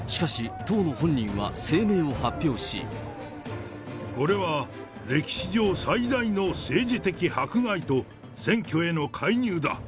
しかし、これは、歴史上最大の政治的迫害と、選挙への介入だ。